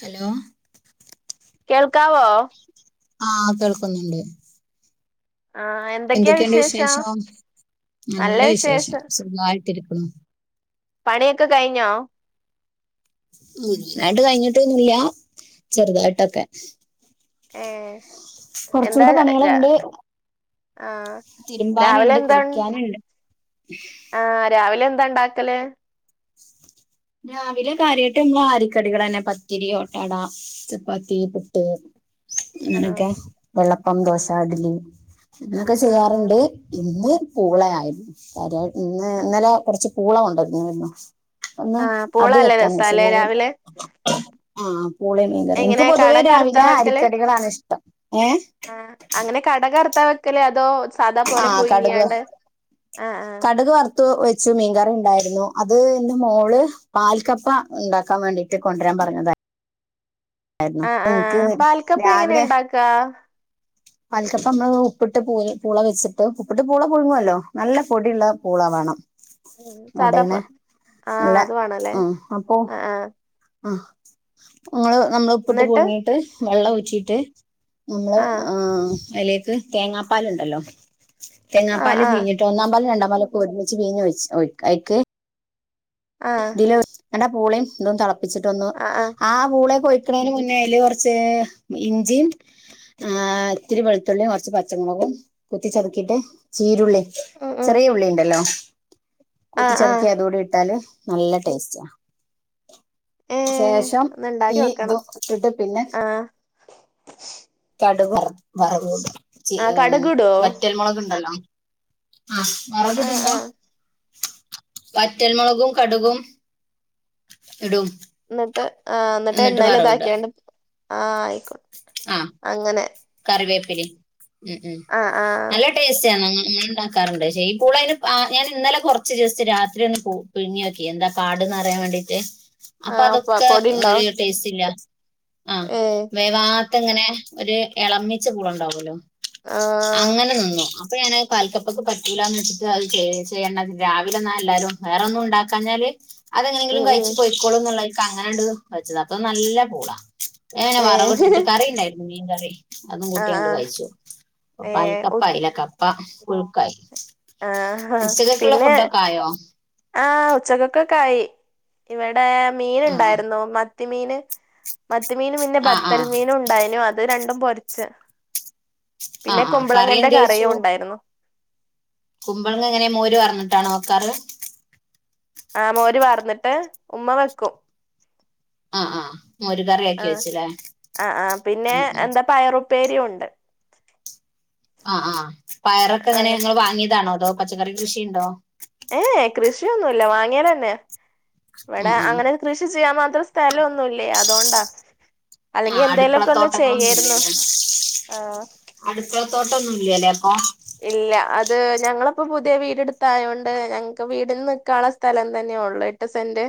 Hello കേൾക്കാവോ ആഹ് കേൾക്കുന്നുണ്ട് ആഹ്എ എന്തൊക്കെയുണ്ട് വിശേഷം നല്ല വിശേഷം സുഖമായിട്ടിരിക്കുന്നു പണിയൊക്കെ കഴിഞ്ഞോ. വലുതായിട്ട് കഴിഞ്ഞിട്ടൊന്നൂല്ലാ ചെറുതായിട്ടൊക്കെ ഏ എന്താ കൊറച്ചൂടെ രാ പണികള്ണ്ട് ആഹ് രാവിലെ തിര്മ്പാന്ണ്ട് എന്താ കുളിക്കാന്ണ്ട് ആഹ് രാവിലെന്താ ണ്ടാക്കല് രാവിലെ കാര്യാട്ട് ഞങ്ങള് ആരിക്കടികളെന്നെ പത്തിരി ഓട്ടട ചപ്പാത്തി പുട്ട് ആഹ് അങ്ങനൊക്കെ വെള്ളപ്പം ദോശ ഇഡലി അങ്ങനൊക്കെ ആഹ് ആഹ് ചെയ്യാറ്ണ്ട് ഇന്ന് പൂളയായിരുന്നു കര്യ ഇന്ന് ഇന്നലെ കുറച്ച്പൂള കൊണ്ടനീന്നു അപ്പന്ന് ആഹ് അത് പൂളല്ലേ വെക്കാനെച്ചു രസാല്ലേ മീൻ രാവിലെ അഹ് പൂളേം മീകറീം എങ്ങനെ എനിക്ക് പൊതുവേ കടക് വറുത്താ രാവിലെ വെക്കല് അരിക്കടികളാണിഷ്ടം ഏഹ് ആഹ് അങ്ങനെ കടകർത്താ വെക്കല് അതോ സാദാ പോലെ ആഹ് കടുക് പുയിങ്ങ്യാണ്ട് ആഹ് ആഹ് ത്തു വെച്ച മീൻകറിണ്ടായിരുന്നു അത് ന്റെ മോള് പാൽക്കപ്പ ഇണ്ടാക്കാ വേണ്ടിട്ട് കൊണ്ട്രാപറഞ്ഞതായി ആയിരുന്നു ആഹ് അപ്പൊ ഇൻക്ക് പാൽക്കപ്പ എങ്ങനെ രാവിലെ ഉണ്ടാക്കാ ആഹ് പാൽക്കപ്പ മ്മള് ഉപ്പിട്ട് പൂ പൂള വെച്ചിട്ട് ഉപ്പിട്ട് പൂള പുഴുങ്ങുവല്ലോ നല്ല പൊടിള്ള പൂളാ വാണം ഉം സാദാ പോ ഒടെണെ ആഹ് നല്ല അത് വേണല്ലേ ഉം അപ്പൊ ആഹ് ആഹ് ആഹ് അങ്ങനെ നമ്മള് ഉപ്പിട്ട് എന്നിട്ട് പുഴുങ്ങീട്ട് വെള്ള ഊറ്റിട്ട് നമ്മള് ആഹ് അയ്ലേക്ക് തേങ്ങാപ്പാല്ണ്ടല്ലോ ആഹ് തേങ്ങാപ്പാല് ആഹ് പീഞ്ഞിട്ട് ഒന്നാം പാലും രണ്ടാം പാലൊക്കെ ഒരുമിച്ച് പീഞ്ഞ് ഒഴിച്ച് ഒഴിക്ക് ഐക്ക് ആഹ് ന്ന്ട്ടാ പൂളീതും തെളപ്പിച്ചിട്ടൊന്ന് ആഹ് ആഹ് ആ പൂളേക്കൊയി ക്ക്ണേന് മുന്നേ അയ്ല് കൊറച്ച് ഇഞ്ചീം ആഹ് ഇത്തിരി വെളുത്തുള്ളീം കൊറച്ച് പച്ചമുളകും കുത്തിചതക്കിട്ട് ചീരുള്ളീ ഉം ഉം ചെറിയ ഉള്ളിണ്ടല്ലോ ആഹ് ആഹ് കൂത്തിച്ചതക്കി അതൂടി ഇട്ടാല് നല്ല ടേസ്റ്റാ ഏ ശേഷം ഒന്ന് ഇണ്ടാക്കി ഈ നോക്കണം തും ഇട്ട്ട്ട് പിന്നെ ആഹ് കടുക് വർ വറവൂടാ ച്ച് ആ ഈ കടുകിടോ വറ്റൽമൊളക്ണ്ടല്ലോ ആഹ് ആഹ് മൊളക്ടുമ്പോ ആഹ് വറ്റൽമൊളകും കട്കും ഇടും ന്ന് ട്ട് ആഹ് ന്ന്ട്ട് എന്നിട്ട് എണ്ണേല് വറവിടുക താക്ക്യാണ്ട് ആഹ് ആയിക്കോ ആഹ് കറിവേപ്പിലീം ഉം ഉം ആഹ് ആഹ് നല്ല ട്ടേസ്റ്റാ ഞങ്ങള് ണ്ടാക്കാറ്ണ്ട് ശെഈ പൂള അഹ്ന് ഞാനിന്നലെ കൊറച്ച് ജസ്റ്റ് രാത്രി ഒന്ന് പോ പുഴുങ്ങിയോക്കി എന്താ പാട്ന്ന് അറിയാൻ വേണ്ടീട്ട് അപ്പൊ ആഹ് പൊ അതൊക്കെ പൊടി ഉണ്ടോ ഒരു ടേസ്റ്റ്ല്ല ആഹ് ഏ വേവാ അത് ങ്ങനെ ഒരു എളമിച്ച പൂളണ്ടാവോലോ ആഹ് അങ്ങനെ നിന്നു അപ്പൊ ഞാനത് പാൽക്കപ്പക്ക് പറ്റൂലാന്ന് ച്ച്ട്ട് അത് ചെയ്യേണ്ട രാവിലെ ന്നാ എല്ലാരും വേറൊന്നുംണ്ടാക്കാഞ്ഞാല് അതെങ്ങനെങ്കിലും ഉം ഉം കഴിച്ചു പൊയിക്കോളും ന്നുള്ള നെലക്ക് അങ്ങനണ്ട് വെച്ചതാ അപ്പൊ നല്ല പൂളാ എങ്ങനെ ഏ വറവിട്ടിട്ട് കറിണ്ടായിരുന്നു മീൻ കറി അതും കൂട്ടി ആഹ് അങ്ങോട്ട് ആഹ് കഴിച്ചു അപ്പൊ ഏ ഉ പാൽകപ്പായി പിന്നെ കപ്പ പുഴുക്കായി ആഹ് ഉച്ചക്കക്കുള്ള പിന്നെ ഫുഡൊക്കെ ആയോ ആഹ് ഉച്ചക്കക്കൊക്കായി ഇവിടെ ആ മീന്ണ്ടായിരുന്നു മത്തിമീന് മത്തി മീനും പിന്നെ ആ ആ ബത്തൽ മീനും ഇണ്ടായിനു അത് രണ്ടും പൊരിച്ച്. ആ പിന്നെ ആ കറി കുമ്പളങ്ങന്റെ എന്ത് വെച്ചു കറിയുണ്ടായിരുന്നു. കുമ്പളങ്ങ എങ്ങനെ മോര് പാർന്ന്ട്ടാണോ വെക്കാറ്. ആ മോര് പാർന്ന്ട്ട് ഉമ്മ വെക്കും. ആ ആഹ് മോര് കറിയ ആ ആ ആ പിന്നെ ഉം എന്താ പയറു ഉപ്പേരി ഉണ്ട്. ആ ആ പയറൊക്കെ എങ്ങനെ അങ്ങനെ ഇങ്ങള് വാങ്ങിയതാണോ അതോ പച്ചക്കറി കൃഷിണ്ടോ ഏ ഏ കൃഷിയൊന്നുല്ല വാങ്ങിയതന്നെ ഉം ഇവടെ ഉം അങ്ങനെ കൃഷി ചെയ്യാൻ മാത്രം സ് സ്ഥലോന്നുല്ലേ അതൊണ്ടാ അല്ലെങ്കി ആഹ് എന്തേലോക്ക ഒന്ന് അടുക്കളത്തോട്ടങ്ങളൊന്നും ചെയ്യേയിരുന്നു ആ അട്ക്കള തോട്ടൊന്നും ഇല്ല്യ ല്ലേ അപ്പൊ ഇല്ല അത് ഞങ്ങള്പ്പോ പുതിയ വീട്ത്തായോണ്ട് ഞങ്ങക്ക് വീടിന് നിക്കാള്ള സ്ഥലം തന്നെ ഒള്ളെ എട്ട് സെന്റ്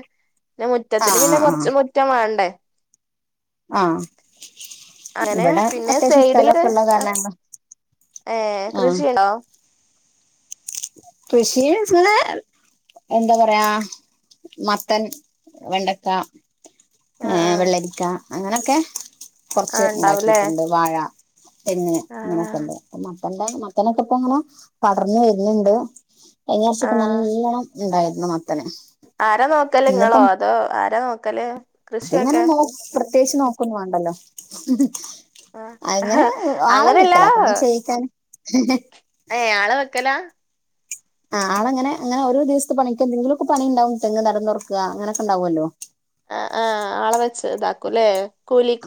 ന്നെ മുറ്റത്തിന് ആഹ് പിന്നെ ആഹ് ആഹ് കൊർച്ച് മുറ്റം വാണ്ടേ ആഹ് അങ്ങനെ ഇവിടെ പിന്നെ അത്യാവശ്യം സൈഡ്ല് സ്ഥലമൊക്കെ ഉള്ള അ കാരണം ഏ ആഹ് കൃഷിണോ കൃഷിന്നച്ചാല് എന്താ പറയാ മത്തൻ വെണ്ടക്ക ആ ഏ ആ വെള്ളരിക്ക അങ്ങനെക്കെ ആ കൊർച്ച് ഉണ്ടാവൂലേ ഇണ്ടാക്കിട്ട്ണ്ട് വാഴ തെങ്ങ് ആ ഇങ്ങനെക്കെ ഇണ്ട് അപ്പ മത്തന്റെ മത്തനൊക്ക ഇപ്പം ഇങ്ങനെ പടർന്നു വര് ന്ണ്ട് കഴിഞ്ഞ വർഷക്ക ആ നല്ലോണം ഇണ്ടായിരുന്നു മത്തന് ആരാ നോക്കല് ഇങ്ങളോ അതോ ആരാ നോക്കല് അത്ങ്ങനെ കൃഷിയൊക്കെ നോ പ്രത്യേകിച്ച് നോക്കന്നും വാണ്ടല്ലോ അങ്ങനെ ആഹ് ആളെ അങ്ങനെയല്ല വിളിക്കല പണി ചെയ്യിക്കാന് ഏ ആള വെക്കലാ ആ ആള ഇങ്ങനെ ഇങ്ങനെ ഒരോ ദിവസ്ത്ത പണിക്കെന്തെങ്കിലൊക്ക പണി ഇണ്ടാവും തെങ്ങ് തടം തൊർക്ക അങ്ങനെക്കെണ്ടാവോല്ലോ ആ ആ ആളെ വെച്ച് ഇതാക്കു ലെ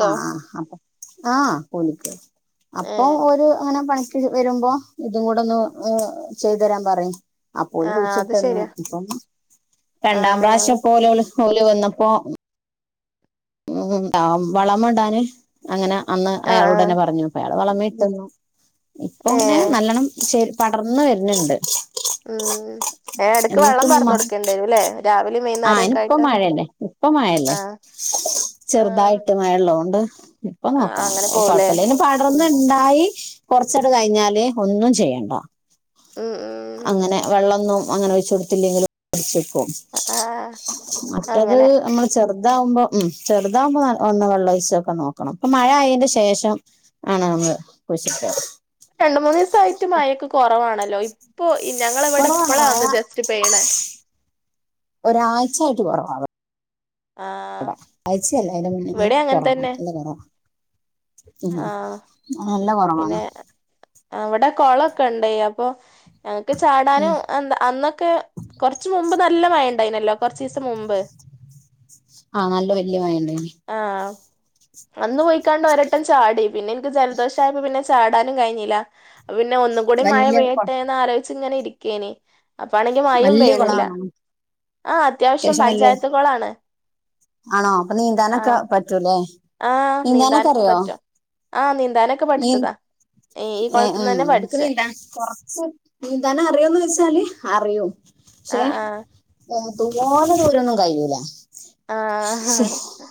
ആ ആ അപ്പൊ ആ കൂലിക്ക് അപ്പൊ ഏഹ് ഒരു അങ്ങനെ പണി ക്ക് വരുമ്പോ ഇതും കൂടെ ഒന്ന് ചെയ്ത് തരാം പറിം അപ്പൊ ഓല് ആഹ് അത് കുഴിച്ചിട്ടന്ന് ശരിയാ ഇപ്പം രണ്ടാം പ്രാവശ്യം ആഹ് പ്പൊലോള് ഓല് വന്നപ്പോ ഉം ആ വളമ ഇടാന് അങ്ങനെ അന്ന് ആഹ് അയാളൊടന്നെ ആഹ് പറഞ്ഞു അപ്പോ അയാള് വളമിട്ടന്നു ഇപ്പോം പിന്നെ ഏഹ് നല്ലണം ശരി പടർന്ന് വര്ന്ണ്ട് ഉം അയ്ന് എടക്ക് വള്ളം പാർന്ന് കൊടുക്കണ്ടി വരും ലെ രാവിലിം വൈന്നാര ഇപ്പം മഴല്ലേ ഇപ്പം മഴല്ലേ ആഹ് ചെർതായിട്ട് മഴ ഇള്ളോണ്ട് ഇപ്പം ആഹ് നോക്കാൻ അങ്ങനെ പോവുല്ലേ കോഴപ്പല്ല അയിനു പടർന്ന് ഇണ്ടായി കൊർച്ചട കഴിഞ്ഞാല് ഒന്നും ചെയ്യണ്ട ഉം ഉം അങ്ങനെ വെള്ളന്നും അങ്ങനെ ഒഴിച് കൊട്ത്തില്ലെങ്കിലും അ [unintelligible] ക്കും ആഹ് മറ്റത് അങ്ങനെ നമ്മള് ചെർതാവുമ്പോ ഉം ചെർതാവുമ്പ ഒന്ന് വള്ള ഒഴ്ച്ചോക്ക നോ ക്കണം ഇപ്പം മഴ ആയേന്റെ ശേഷം ആണ് നമ്മള് കുയ്ച്ചിട്ടത് രണ്ട് മൂന്നീസായിട്ട് മഴക്ക കോറവാണല്ലോ ഇപ്പോ ഞങ്ങള ഇവട കൊറവാണ് ഇപ്പളാ മഴ ഒന്ന് ജസ്റ്റ് പെയ്യ്ണ ഒരാഴ്ച്ചായിട്ട് [unintelligible] ആഹ് ട ആഴച്ചയല്ല അയിൻ്റെ മുന്നെ മഴ ഇവിടെ അങ്ങനെ കൊറവാ തന്നെ നല്ല കൊറവാ അ ആഹ് ആ നല്ല പിന്നെ കുറവാണ് അവിടെ കൊളൊക്കെ ഉണ്ട് അപ്പൊ ഞങ്ങക്ക് ഉം ചാടാനും എന്താ അന്നൊക്കെ കൊറച്ച് മുമ്പ് നല്ല മഴ ഉണ്ടയീനിയല്ലോ കൊറച്ച് ദിവസം മുമ്പ് ആഹ് നല്ല വല്യ മഴ ഉണ്ടായിനി ആഹ് അന്ന് പോയിക്കാണ്ട് ഒരട്ടം ചാടി പിന്നെ എനിക്ക് ജലദോഷമായപ്പ പിന്നെ ചാടാനും കഴിഞ്ഞില്ല അപ്പോ പിന്നെ ഒന്നുകൂടി മഴ വലിയ കൊ- പെയ്യട്ടെന്ന് ആലോചിച്ച് ഇങ്ങനെ ഇരിക്കേനീ അപ്പാ ആണെങ്കിൽ മഴയും വലിയ പെയ്യിണില്ല കുളമാണോ ആ അത്യാവശ്യം പഞ്ചായത്തുകൊ ളാണ് ആണോ അപ്പൊ നീന്താനൊകേ പറ്റൂലേ ആഹ് നീന്താനൊക്കെ പറ്റും ആ നീന്താനൊക്കെ നീ പഠിച്ചതാ ഈ ഏ കൊളത്തുന്ന് ഏഹ് തന്നെ എനക്ക് പഠിച്ചെ നീന്താന് കൊറച്ച് നീന്താന് അറിയോന്ന് ചോയിച്ചാല് അറിയും പക്ഷെ ആഹ് ആ തോന ദൂരൊന്നും കഴിയൂല ആ ഹ ശ്ശെ, ഹ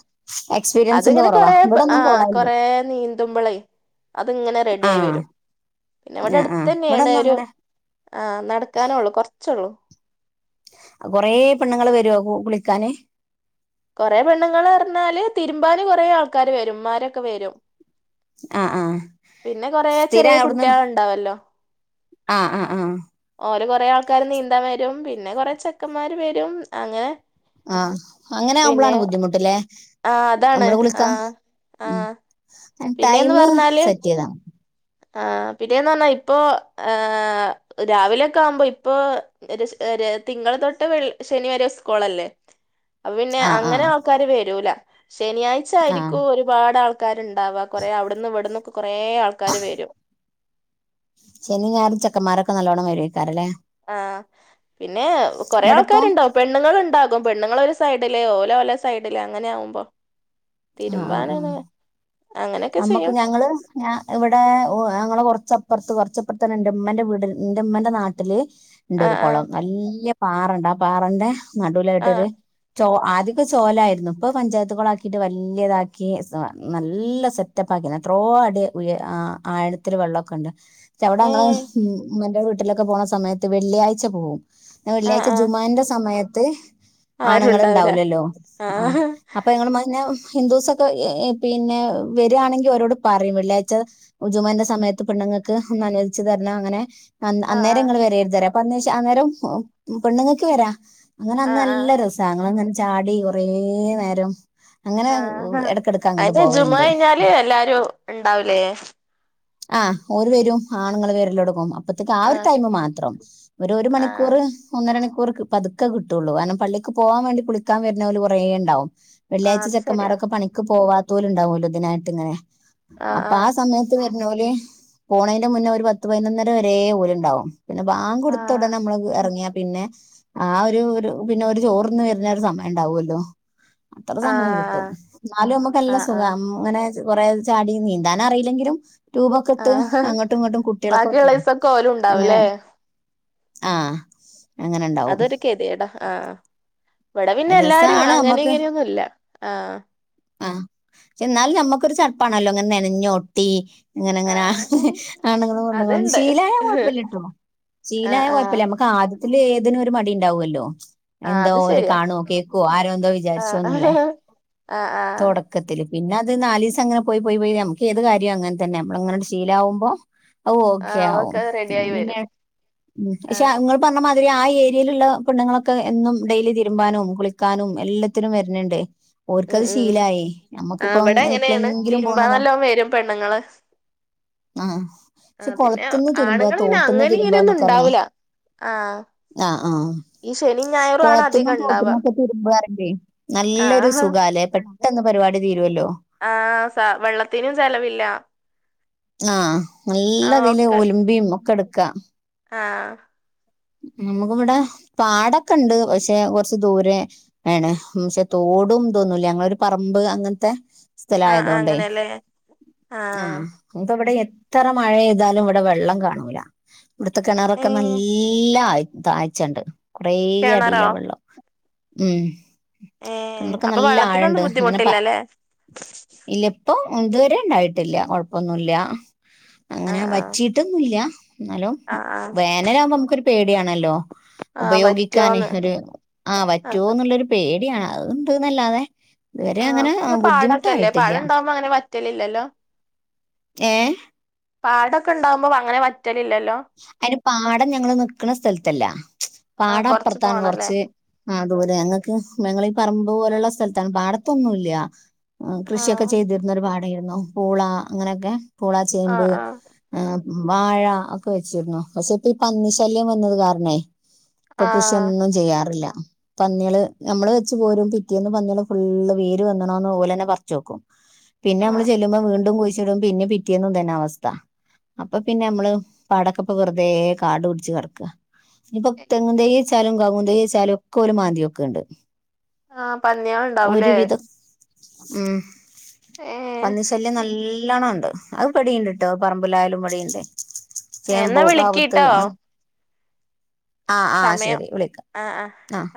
എക്സ്പീരിയൻസിന്റെ അതിങ്ങനെ കുറവാ കൊറെ ഇവിടെ ആ ഒന്നും കുളമില്ല കൊറ നീ നീന്തുമ്പളേ അത്ങ്ങനെ റെഡി ആ ആയി വരും പിന്നെ ഇവിടെ ആ ആ അടുത്ത് ഇവിടെ തന്നെയാണ് ഒന്നും ഒരു അങ്ങനെ ആ നടക്കാന് ഒള്ളൂ കൊറച്ചള്ളൂ കൊറെ പെണ്ണുങ്ങൾ വരൂ കുളിക്കാന്. കുറെ പെണ്ണുങ്ങൾ പറഞ്ഞാല് തിരുമ്പാന് കുറേ ആൾക്കാര് വരും ഇ മാരൊക്കെ വരും. ആ ആ പിന്നെ കൊറേ സ്ഥിരം ചെറിയ അവിടുന്ന് കുട്ടികളുണ്ടാവല്ലോ. ആ ആ ആഹ് ഓല് കൊറേ ആൾക്കാര് നീന്താൻ വരും പിന്നെ കൊറേ ചെക്കന്മാര് വരും അങ്ങനെ ആഹ് അങ്ങനെ പിന്നെ ആവുമ്പോളാണ് ബുദ്ധിമുട്ടില്ലേ ആ അതാണ് നമ്മൾ ആ കുളിക്കാ ആ ഉം അ പിന്നെന്ന് ടൈമ് പറഞ്ഞാല് സെറ്റ്താണ് ആ പിന്നെന്ന് പറഞ്ഞാ ഇപ്പൊ ഏ രാവിലെയൊക്കെ ആവുമ്പോ ഇപ്പൊ ഒരു ഒരു തിങ്കൾ തൊട്ട് ശനിവരെ സ്കോളല്ലേ? അപ്പൊ പിന്നെ ആഹ് അങ്ങനെ ആഹ് ആൾക്കാര് വരൂല ശനിയാഴ്ച ആഹ് ആയിരിക്കും ഒരു ഒരുപാട് ആൾക്കാരുണ്ടാവ കുറെ അവിടുന്ന് ഇവിടുന്നൊക്കെ കുറേ ആൾക്കാ ക്കാര് വരും. ശനി ഞായറും ചെക്കന്മാരൊക്കെ നല്ലോണം വരുഏയ്ക്കാരംല്ലേ? ആഹ് പിന്നെ കൊറെ ഇവിടെപ്പോ ആൾക്കാരുണ്ടോ പെണ്ണുൾണ്ടാകും പെണ്ണുങ്ങൾ ഒരു സൈഡിലേ ഓൽ ഓലേ സൈഡിലേ അങ്ങനെ ആകുമ്പോ ആഹ് ആഹ് ആ അങ്ങനെയൊക്കെ നമ്മുക്ക് ചെയ്യും ഞങ്ങൾ ഞ ഇവിടെ ഞങ്ങെ കൊറച്ചപ്പുറത്ത് കുറച്ചപ്പുറത്ത തന്നെ എന്റെമ്മന്റെ വീട് എറമ്മേന്റെ നാട്ടില് ആ ഉണ്ടരു ആ കുളം നല്ല പാറണ്ട് ആ പാറന്റെ ആ നടുവിലായിട്ടൊരു ചോ ആദ്യത്തേ ചോലായിരുന്നു ഇപ്പൊ പഞ്ചായത്തുകുളാക്കി വലിയതാക്കി നല്ല സെറ്റപ്പ്ക്കി എത്രോ അടി ആ ഒത്തിരി വെള്ളമൊക്കെ ഉണ്ട് അവിടെ ഏ ഞങ്ങൾ ഉമ്മൻ്റെ വീട്ടിലൊക്കെ പോണ സമയത്ത് വെള്ളിയാഴ്ച പോവും. പിന്നെ ആ വെള്ളിയാഴ്ച ആ ജുമുഹന്റെ സമയത്ത് ആരും ആണുങ്ങൾ ഉണ്ടാവൂല ഉണ്ടാവില്ലല്ലോ ആ അപ്പൊ ഞങ്ങള് മ പിന്നെ ഹിന്ദൂസൊക്കെ പിന്നെ വരുയാണെങ്കിൽ ഒരോട് പറയും വെള്ളിയാഴ്ച ജുമുഅന്റെ സമയത്ത് പെണ്ണുങ്ങൾക്ക് ഒന്ന് അനുവദിച്ചു തരണം അങ്ങനെ അ ആ അന്നേരം ഇങ്ങള് വരര് ത് ന്ന് പറയും അപ്പൊ എന്ന്ച്ച അന്നേരം പെണ്ണുങ്ങൾക്ക് വരാ. അങ്ങനെ ആ ആ അന്ന് നല്ല ആ രസാ ഞൻങ്ങള് അങ്ങനെ ചാടി കൊറെ നേരം. അങ്ങനെ ആ ഇടക്കിടക്ക് അങ്ങോട്ട് അതിന്റെ ജുമുഅ പോവലണ്ട്. കഴിഞ്ഞാല് എല്ലാരും ഉണ്ടാവൂലേ ആഹ് ഒര് വരും ആണുങ്ങൾ വരെല്ലോടെങ്ങും അപോ അപ്പത്തേക്ക് ആ ഒരു ടൈമ് മാത്രം ഒരു ഒരു ആ മണിക്കൂർ. ഒന്നര മണിക്കൂർക്ക്‌ പതുക്കെ കിട്ടുള്ളൂ കാരണം പള്ളിക്ക് പോകാൻ വേണ്ടി കുളിക്കാൻ വരുന്ന ഓല് കുറേ ഉണ്ടാവും. ആ ശരിയാ ചക്കന്മാരൊക്കെ പണിക്ക് പോവാത്തോലുണ്ടാവുല്ലോ ഇതിനായിട്ട് ഇങ്ങനെ അപ്പൊ ആ സമയ ത്ത് വരുന്നോല് പോണയിന്റെ മുന്നേ ഒരു പത്ത് പതിനൊന്നര വരേ ഓലെ ഉണ്ടാവും പിന്നെ ബാഗ് കൊടുത്തോ ടെ നമ്മള് അത് എറങ്ങിയ പിന്നെ ആഹ് ഒരു ഒരു പിന്നെ ഒരു ചോറ്ന്ന് വരുന്ന ഒരു സമയം ഉണ്ടാവല്ലോ. അത്ര ആ സമയം ആ കിട്ടും എന്നാലും നമുക്ക്ല്ലാം ആഹ് സുഖം അങ്ങനെ. കൊറേ ചാടി നീന്താൻ അറിയില്ലെങ്കിലും. ട്യൂബ്ക്കെ ഇട്ട് ആഹ് ആഹ് അങ്ങോട്ടും ഇങ്ങോട്ടും കുട്ടികൾക്കൊക്കെ ബാക്കിയുള്ള ദിവസൊക്കെ ഓലും അങ്ങനെ ഉണ്ടാവുംല്ലേ ആഹ് അങ്ങനെണ്ടാവും. ക്കെതിടാ ആഹ് ഇവിടെ പിന്നെ എല്ലാരും രസാണ് അങ്ങനെ ഇങ്ങനെയൊന്നുംഇല്ല ആഹ് ആഹ് എന്നാലും ഞമ്മുക്കൊരു ചടപ്പാണല്ലോ ഇങ്ങനെ നെനഞ്ഞോ ട്ടി അങ്ങനെ അങ്ങനെ ആഹ് ആണുങ്ങളും പെണുങ്ങളും ഒന്നും അതുണ്ട് ശീലായ കുഴപ്പല്ലിട്ടോ ആഹ് ശീലയ ആഹ് കുഴപ്പില്ല നമുക്ക് ആദ്യത്തില് ഏതിനും ഒരു മടി ഉണ്ടാവുല്ലോ ആഹ് എന്തോ അത് ഒര് ശരിയാ കാണോ കേക്കുവോ ആരോ എന്തോ ആഹ് വിചാരിച്ചുന്നോള്ളെ ആഹ് ആഹ് തോട് ക്കത്തില് പിന്നെ അത് നാലീസം അങ്ങനെ പോയി പോയി പോയി നമുക്ക് ഏത് കാര്യം അങ്ങനെ തന്നെ നമ്മള അങ്ങനോട് ശീല ആവുബോ ഓഹ് ഓക്കെ ആഹ് ആവും അതൊക്കെ റെഡിയായി പിന്നെ വരും ആഹ് പക്ഷെങ്ങൾ പറഞ്ഞമാതിരി ആ ഏരിയെലുള്ള പെണ്ണുങ്ങളൊക്കെ എന്നും ഡെയിലി തിരുമ്പാനും, കുളിക്കാനും, എല്ലാത്തിനും വരണണ്ടേ ഉം ഓർക്കത് ഉം ശീലായി ആഹ് നമ്മക്കിപ്പോ ഇവിടെ എങ്ങനെയാണ് എപ്ലെങ്കിലും തിരുമ്പാൻ പോണതോ നല്ലോം വരും പെണ്ണുങ്ങള് ആഹ് ആഹ് പിന്നെ ആണുങ്ങള് പിന്നെ അങ്ങനെ തിരുമ്പുക ഇങ്ങനെയൊന്നും എന്നൊക്കെ പറഞ്ഞാ ഉണ്ടാവൂല ആഹ് ഈ ശനീം ഞായറും ആണ് അതി ന്നു തോട്ടിമോക്കെ തീരുമ്പുകരോക്കെ നല്ലൊരു ആഹ് സുഖാലേ പെട്ടെന്ന് പരിപാടി തീരുല്ലോ ആഹ് സ വെള്ളത്തിനും ചെലവില്ല ആഹ് ആ നല്ലതിൽ ഒക്കെ ഒലുമ്പിയും ഒക്കെ എടുക്കാ ആഹ് നമുക്കിവിടെ പാടൊക്കെ ഉണ്ട് പക്ഷെ കൊറച്ച് ദൂരെ ആണ് മ്ക്ഷെ തോടും ഇതോന്നൂ ഇല ഞങ്ങളൊരു പറമ്പ് അങ്ങനത്തെ ആഹ് ആഹ് സ്ഥലായതോണ്ടേ അങ്ങനെയല്ലേ ആഹ് നമക്കിവിടെ എത്ര മഴെപെയ്താലും ഇവിടെ വെള്ളം കാണൂല ഇവിടത്തെ ഏ കിണറൊക്കെ നാ ല്ലായി താഴ്ച്ചണ്ട് കുറെ കിണറോ അടിയില വെള്ളം ഉം ഏ കണർക്കെ അപ്പൊ നല്ല ആഴുണ്ട് വെള്ളത്തിനൊന്നും അങ്ങനെ പ ബുദ്ധിമുട്ടില്ലല്ലേ ഇല്ലിപ്പൊ ഇതുവരെ ഉണ്ടായിട്ടില്ല കൊഴപ്പൊന്നുല്ല അങ്ങനെ ആഹ് ആഹ് വറ്റി ഇതൊന്നില്ല എന്നാലും ആഹ് ആഹ് വേനലാവുമ്പോ നമുക്കൊരു പേടിയാണല്ലോ ആഹ് ഉപയോഗിക്കാനേ വറ്റോന്ന് ഒരു ആ ആഹ് വറ്റുവൊന്നുള്ളരു പേടിയാണ് അത്ണ്ട്ന്നല്ലാതെ ആഹ് [unintelligible] പാടൊക്കല്ലേ പാടന്ണ്ടാവുമ്പോ അങ്ങനെ വറ്റലില്ലല്ലോ ഏ പാടൊക്കെ ഇണ്ടാമ്പോ അങ്ങനെ വറ്റലില്ലല്ലോ അയിന് പാടം ഞങ്ങള് നിക്കണ സ്ഥലത്തല്ല ആഹ് പാടം കൊറച്ച് അപ്പറത്താണ് പോണല്ലേ കുറച്ച് ആഹ് ദൂരെ ഞങ്ങക്ക് ഞങ്ങള് ഈ പറമ്പ് പോലെഉള്ള സ്ഥലത്താണ് പാടത്തൊന്നുല്ല്യ ആഹ് കൃഷിയൊക്കെ ചെയ്തിരുന്നൊരു പാടായിരുന്നു പൂള അങ്ങനെ ഒക്കെ പൂള, ചേമ്പ്, ആഹ് ആഹ് ആഹ് വാഴ ഒക്കെ വെച്ചിരുന്നു പക്ഷേപ്പ ഈ പന്നി ശല്യം വന്നത് കാരണേ ഇപ്പൊ ആഹ് കൃഷിഒന്നും ചെയ്യാറില്ല പന്നികള് നമ്മള് വെച്ച്പോരും പിറ്റേന്ന് പന്നികള് ഫുള്ള് വേര് വന്നണോന്ന്പോലെ തന്നെ പറിച്ച് വെക്കും പിന്നെ നമ്മള് ആഹ് ചെല്ലുമ്പോ വീണ്ടും കുയിച്ച് ഇടും പിന്നെ പിറ്റേന്നും ഇതന്നെ അവസ്ഥ അപ്പൊ പിന്നെ നമ്മള് പാടൊക്കെപ്പൊ വെറുതേ കാട് പിടിച്ച് കട്ക്ക ഇനിയിപ്പോ തെങ്ങിൻ തയ്യ് ച്ചാലും കൗങ്ങുൻ തയ്യച്ചാലും ഒക്കെ ഓരു മാന്തിയോക്ക്ണ്ട്. ആഹ് പന്നിയാളുണ്ടാവൂലേ ഒരുവിധം ഉം ഏ പന്നിശല്യം നല്ലോണം ഉണ്ട് അത് പടിണ്ട്ട്ടോ പറമ്പിലായാലും വടിണ്ട് എന്നാ വിളിക്കിട്ടോ ആഹ് ആഹ് സമയം ശരി വിളിക്ക ആഹ് ആഹ്